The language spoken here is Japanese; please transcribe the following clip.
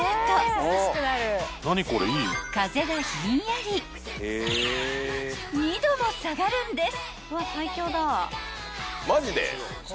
［風がひんやり２℃も下がるんです］